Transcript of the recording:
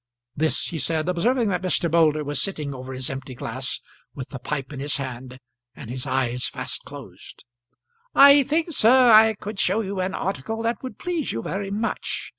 This he said observing that Mr. Moulder was sitting over his empty glass with the pipe in his hand, and his eyes fast closed. "I think, sir, I could show you an article that would please you very much.